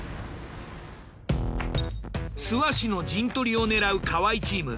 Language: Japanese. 諏訪市の陣取りを狙う河合チーム。